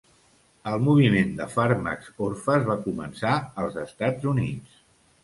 El moviment de fàrmacs orfes va començar als Estats Units.